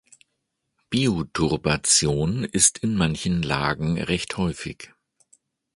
Bioturbation ist in manchen Lagen recht häufig.